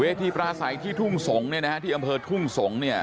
ที่ปราศัยที่ทุ่งสงศ์เนี่ยนะฮะที่อำเภอทุ่งสงศ์เนี่ย